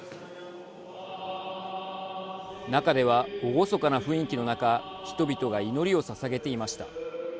中では厳かな雰囲気の中人々が祈りをささげていました。